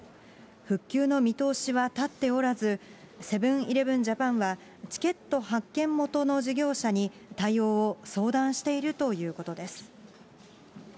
復旧の見通しは立っておらず、セブンーイレブン・ジャパンはチケット発券元の事業者に、対応を相談しているということです。